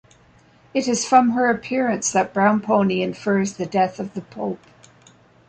It is from her appearance that Brownpony infers the death of the Pope.